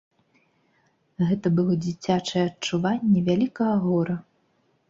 Гэта было дзіцячае адчуванне вялікага гора.